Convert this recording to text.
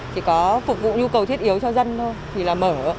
chỉ có phục vụ nhu cầu thiết yếu cho dân thôi thì là mở